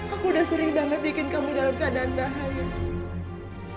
aku udah sering banget bikin kamu dalam keadaan bahaya